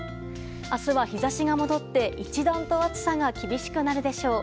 明日は日差しが戻って一段と暑さが厳しくなるでしょう。